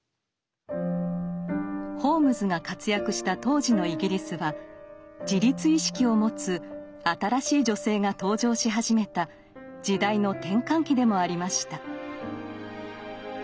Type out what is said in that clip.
ホームズが活躍した当時のイギリスは自立意識を持つ「新しい女性」が登場し始めた時代の転換期でもありました。